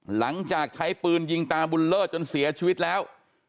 หลังจากใช้ปืนยิงตาบุญเลิศจนเสียชีวิตแล้ว